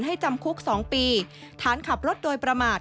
ทุก๒ปีท้านขับรถโดยประมาท